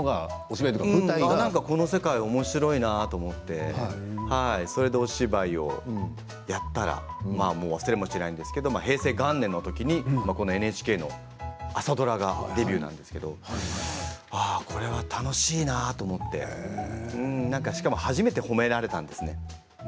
この世界おもしろいなと思ってそれでお芝居をやったら忘れもしないんですけども平成元年のときにこのＮＨＫの朝ドラがデビューなんですけどこれは楽しいなと思ってしかも初めて褒められたんですね。